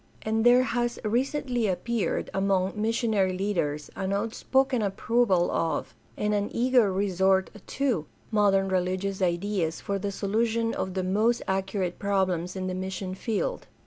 And there has 476 GUIDE TO STUDY OF CHRISTIAN RELIGION recently appeared among missionary leaders an outspoken approval of, and an eager resort to, modern religious ideas for the solution of the most acute problems in the mission field.